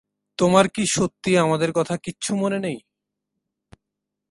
তোমার কি সত্যিই আমাদের কথা কিচ্ছু মনে নেই?